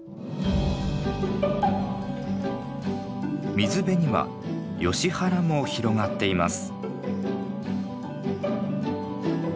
水辺にはヨシ原も広がっています。